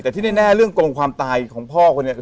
แต่ที่แน่เรื่องโกงความตายของพ่อคนนี้คือ